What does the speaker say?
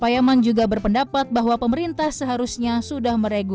payaman juga berpendapat bahwa pemerintah seharusnya sudah meregulasi